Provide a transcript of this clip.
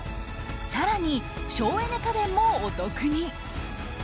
更に省エネ家電もお得に。